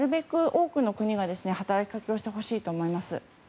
多くの国が働きかけをしてほしいと思います。